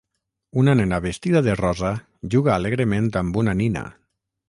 Una nena vestida de rosa juga alegrement amb una nina.